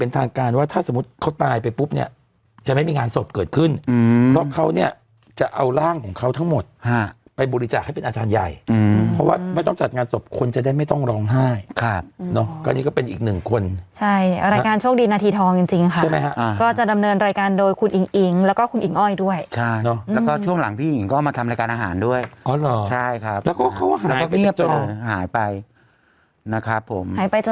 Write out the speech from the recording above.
ตามบัญชีท้ายพระราชกำหนดนะครับเพิ่มเติมพุทธศักราช๒๕๖๔